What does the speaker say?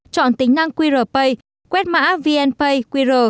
chọn tính năng qr pay quét mã vnpayqr